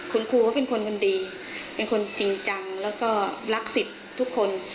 คุณครูเขาเป็นคนดีเป็นคนจริงจังแล้วก็รักสิทธิ์ทุกคน